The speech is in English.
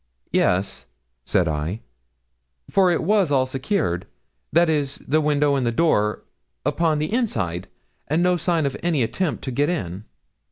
'Yes,' said I, 'for it was all secured that is, the window and the door upon the inside, and no sign of any attempt to get in.'